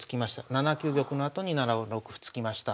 ７九玉のあとに７六歩突きました。